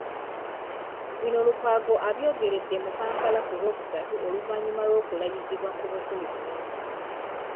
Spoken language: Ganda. Bino Lukwago abyogeredde mu Kampala ku Lwokusatu oluvannyuma lw’okulayizibwa ku bukulu buno.